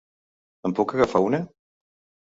En puc agafar una?